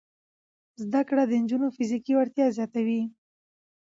زده کړه د نجونو فزیکي وړتیا زیاتوي.